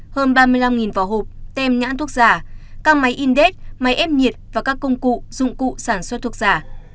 hơn ba mươi năm vỏ hộp tem nhãn thuốc giả các máy index máy ép nhiệt và các công cụ dụng cụ sản xuất thuốc giả